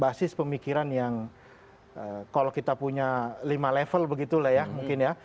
basis pemikiran yang eh kalau kita punya lima level begitu lah ya mungkin ya